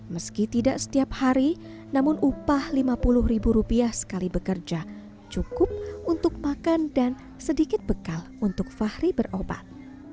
meski tidak setiap hari namun upah lima puluh ribu rupiah sekali bekerja cukup untuk makan dan sedikit bekal untuk fahri berobat